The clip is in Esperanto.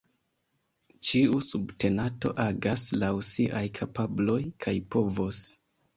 Ĉiu subtenato agas laŭ siaj kapabloj kaj povoj.